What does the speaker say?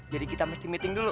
jadi kita mesti meeting dulu